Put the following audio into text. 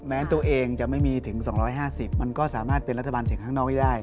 แม้ตัวเองจะไม่มีถึง๒๕๐มันก็สามารถเป็นรัฐบาลเสียงข้างนอกให้ได้